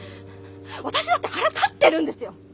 私だって腹立ってるんですよ。